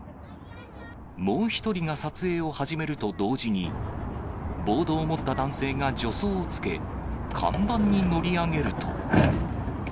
もう１人が撮影を始めると同時に、ボードを持った男性が助走をつけ、看板に乗り上げると。